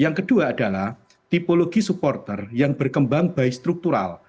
yang kedua adalah tipologi supporter yang berkembang by struktural